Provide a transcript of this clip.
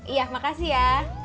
iya makasih ya